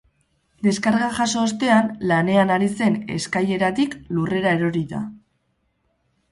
Deskarga jaso ostean, lanean ari zen eskaileratik lurrera erori da.